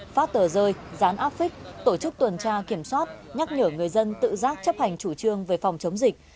phát tờ rơi dán áp phích tổ chức tuần tra kiểm soát nhắc nhở người dân tự giác chấp hành chủ trương về phòng chống dịch